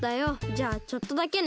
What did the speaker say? じゃあちょっとだけね。